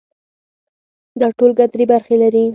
دا ټولګه درې برخې لري.